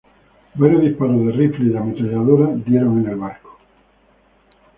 Varios disparos de rifle y de ametralladora dieron en el barco.